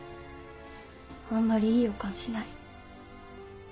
あんまりいい予感しない。